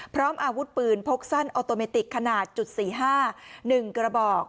พร้อมอาวุธปืนพกสั้นออโตเมติกขนาดจุด๔๕๑กระบอก